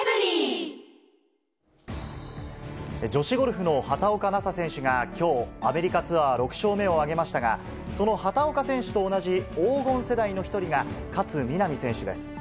女子ゴルフの畑岡奈紗選手がきょう、アメリカツアー６勝目を挙げましたが、その畑岡選手と同じ黄金世代の１人が、勝みなみ選手です。